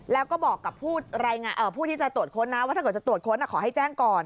แล้วก็บอกกับผู้ที่จะตรวจค้นนะว่าถ้าเกิดจะตรวจค้นขอให้แจ้งก่อน